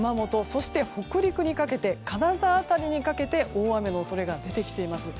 そして、北陸の金沢辺りにかけて大雨の恐れが出てきています。